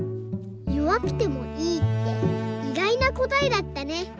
「よわくてもいい」っていがいなこたえだったね。